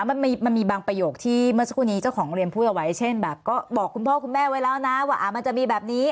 มันมีบางประโยคที่เมื่อสักครู่นี้เจ้าของเรียนพูดเอาไว้เช่นแบบก็บอกคุณพ่อคุณแม่ไว้แล้วนะว่ามันจะมีแบบนี้